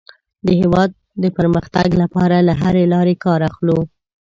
د هېواد د پرمختګ لپاره له هرې لارې کار اخلو.